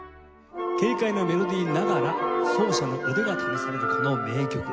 軽快なメロディーながら奏者の腕が試されるこの名曲。